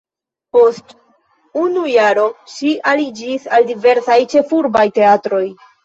Post unu jaro ŝi aliĝis al diversaj ĉefurbaj teatroj.